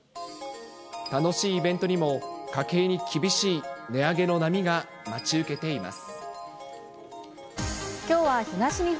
楽しいイベントにも家計に厳しい値上げの波が待ち受けています。